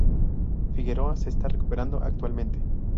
Figueroa se está recuperando actualmente.